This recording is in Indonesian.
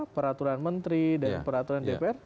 peraturan menteri dan peraturan dpr